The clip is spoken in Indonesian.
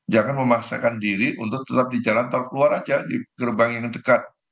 jangan memaksakan diri untuk tetap di jalan tol keluar aja di gerbang yang dekat